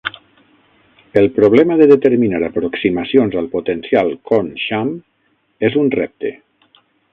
El problema de determinar aproximacions al potencial Kohn-Sham és un repte.